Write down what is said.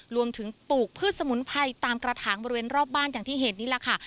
ปลูกพืชสมุนไพรตามกระถางบริเวณรอบบ้านอย่างที่เห็นนี่แหละค่ะ